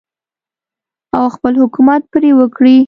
او خپل حکومت پرې وکړي.